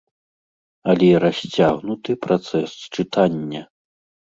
Але расцягнуты працэс чытання.